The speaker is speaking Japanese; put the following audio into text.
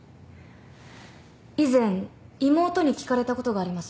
以前妹に聞かれたことがあります。